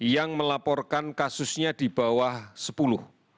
yang melaporkan kasusnya di bawah sepuluh